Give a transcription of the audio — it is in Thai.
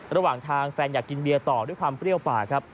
ระหว่างทางแฟนอยากกินเบียร์ต่อด้วยความเปรี้ยวปากครับ